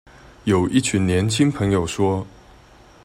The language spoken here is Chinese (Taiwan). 有一群年輕朋友說